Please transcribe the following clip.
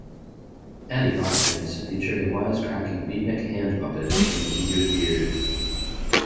"Addie Bobkins" featured a wise-cracking beatnik hand puppet named "Weird Beard.